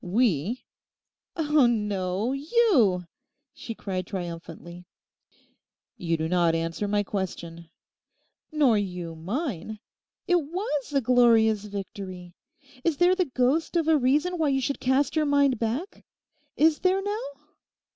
'"We"!' 'Oh no, you!' she cried triumphantly. 'You do not answer my question.' 'Nor you mine! It was a glorious victory. Is there the ghost of a reason why you should cast your mind back? Is there, now?